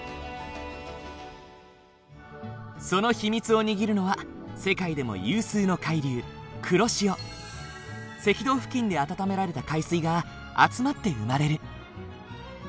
その秘密を握るのは世界でも有数の海流赤道付近で温められた海水が集まって生まれる。